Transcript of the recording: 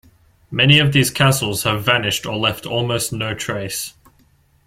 Many of these castles have vanished or left almost no trace.